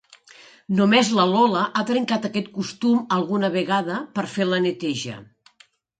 Només la Lola ha trencat aquest costum alguna vegada, per fer la neteja.